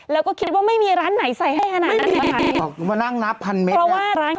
แล้วก็คิดว่าไม่มีร้านไหนใส่ให้ขนาดนั้นนะคะ